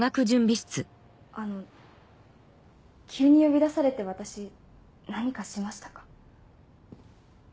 あの急に呼び出されて私何かしましたか？